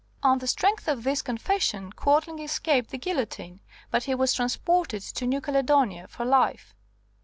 On the strength of this confession Quadling escaped the guillotine, but he was transported to New Caledonia for life.